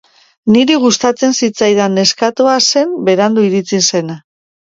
Niri gustatzen zitzaidan neskatoa zen berandu iritsi zena.